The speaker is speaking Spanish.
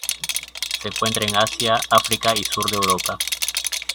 Se encuentra en Asia, África y el sur de Europa.